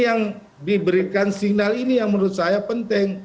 yang diberikan signal ini yang menurut saya penting